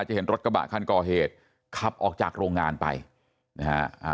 จะเห็นรถกระบะคันกอเฮดขับออกจากโรงงานไปนะฮะ